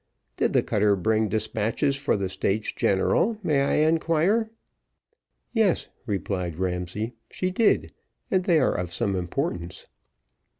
Did the cutter bring despatches for the States General, may I enquire?" "Yes," replied Ramsay, "she did; and they are of some importance."